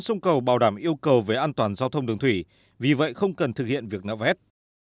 sông cầu bảo đảm yêu cầu về an toàn giao thông đường thủy vì vậy không cần thực hiện việc nạo vét